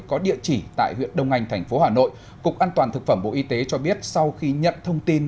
có địa chỉ tại huyện đông anh tp hà nội cục an toàn thực phẩm bộ y tế cho biết sau khi nhận thông tin